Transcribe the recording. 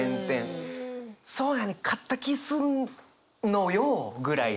そうやねん勝った気すんのよぐらいの。